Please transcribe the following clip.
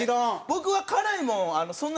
僕は辛いもん